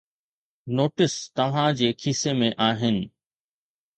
Notes توهان جي کيسي ۾ آهن.